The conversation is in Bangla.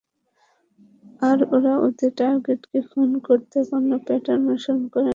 আর ওরা ওদের টার্গেটকে খুন করতে কোনো প্যাটার্ন অনুসরণ করে না।